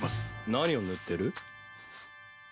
何を塗ってる？